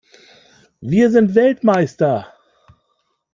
Wir sind Weltmeister!